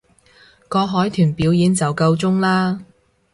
個海豚表演就夠鐘喇